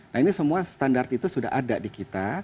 nah ini semua standar itu sudah ada di kita